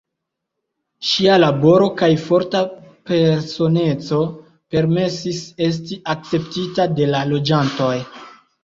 Ŝia laboro kaj forta personeco permesis esti akceptita de la loĝantoj.